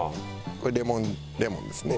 これレモンレモンですね。